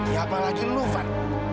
ya apalagi lu van